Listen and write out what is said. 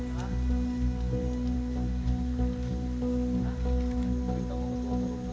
banyak bapak yang punya